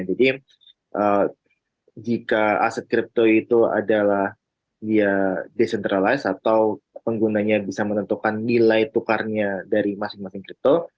jadi jika aset kripto itu adalah dia decentralized atau penggunanya bisa menentukan nilai tukarnya dari masing masing kripto